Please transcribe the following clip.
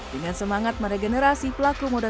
dengan semangat meregenerasi pelaku muda